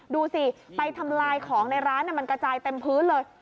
ดูสิไปทำลายของในร้านมันกระจายเต็มพื้นเลย